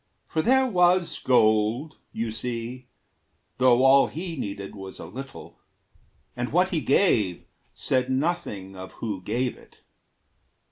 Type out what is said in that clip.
For there was gold, You see, though all he needed was a little, And what he gave said nothing of who gave it.